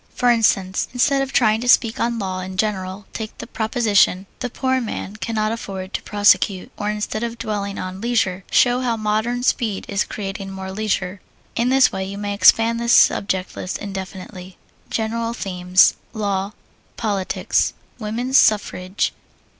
For instance, instead of trying to speak on "Law" in general, take the proposition, "The Poor Man Cannot Afford to Prosecute;" or instead of dwelling on "Leisure," show how modern speed is creating more leisure. In this way you may expand this subject list indefinitely. GENERAL THEMES Law. Politics. Woman's Suffrage.